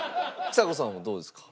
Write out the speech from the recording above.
ちさ子さんはどうですか？